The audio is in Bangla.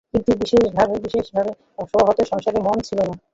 কিন্তু শিবতোষের স্বভাবতই সংসারে মন ছিল না।